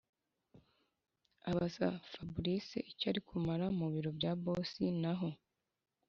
abaza fabric icyo arikumara mubiro bya boss naho